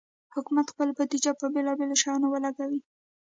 حکومت خپل بودیجه پر بېلابېلو شیانو ولګوي.